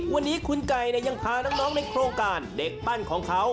วันนี้คุณไก่ยังพาน้องในโครงการเด็กปั้นของเขา